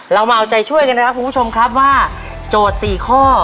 เรามาเอาใจช่วยกันนะครับคุณผู้ชมครับว่าโจทย์๔ข้อ